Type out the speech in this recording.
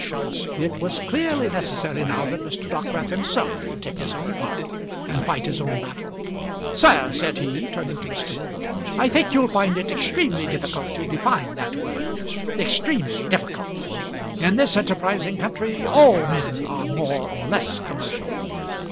It was clearly necessary now that Mr. Dockwrath himself should take his own part, and fight his own battle. "Sir," said he, turning to Mr. Moulder, "I think you'll find it extremely difficult to define that word; extremely difficult. In this enterprising country all men are more or less commercial."